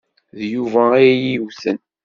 D Yuba ay iyi-yewten.